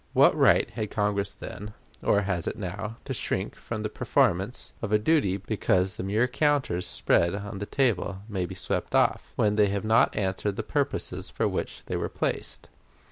What right had Congress then, or has it now, to shrink from the performance of a duty because the mere counters spread on the table may be swept off, when they have not answered the purposes for which they were placed?